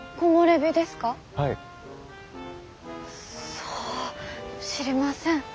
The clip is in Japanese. さあ知りません。